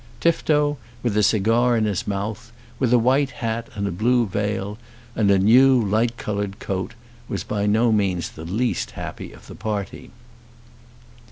Tifto, with a cigar in his mouth, with a white hat and a blue veil, and a new light coloured coat, was by no means the least happy of the party.